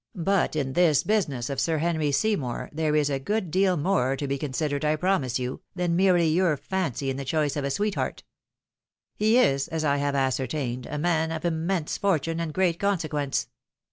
But in this business of Sir Henry Seymour there is a good deal more to be considered, I promise you, than merely your fancy in the choice of a sweetheart. He is, as I have ascer tained, a man of immense fortune, and great consequence.